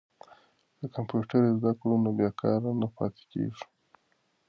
که کمپیوټر زده کړو نو بې کاره نه پاتې کیږو.